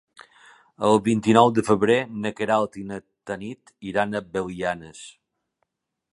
El vint-i-nou de febrer na Queralt i na Tanit iran a Belianes.